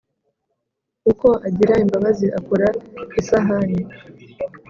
Ukwo agira imbabazi akora isahanii: